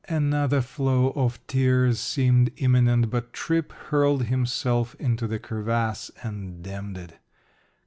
Another flow of tears seemed imminent, but Tripp hurled himself into the crevasse and dammed it.